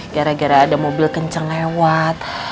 gara gara ada mobil kenceng lewat